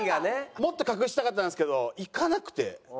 もっと隠したかったんですけどいかなくて。